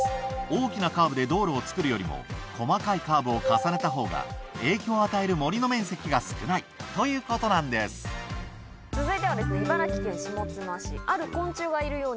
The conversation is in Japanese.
大きなカーブで道路を造るよりも細かいカーブを重ねたほうが影響を与える森の面積が少ないということなんです続いては。